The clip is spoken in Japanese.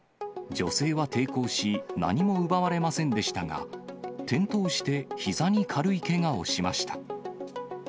女性は抵抗し、何も奪われませんでしたが、転倒してひざに軽いけがをしました。